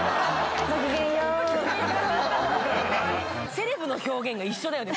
セレブの表現が一緒だよね。